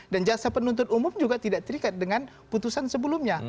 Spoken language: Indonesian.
dan jaksa penuntut umum juga tidak terikat dengan putusan sebelumnya